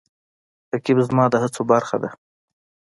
رقیب زما د هڅو برخه ده